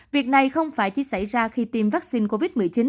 việc này không phải chỉ xảy ra khi tiêm vaccine covid một mươi chín